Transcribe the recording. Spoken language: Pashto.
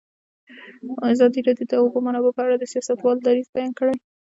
ازادي راډیو د د اوبو منابع په اړه د سیاستوالو دریځ بیان کړی.